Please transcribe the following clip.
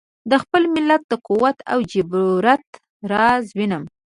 د خپل ملت د قوت او جبروت راز وینم.